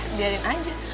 eh biarin aja